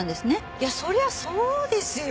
いやそりゃそうですよ。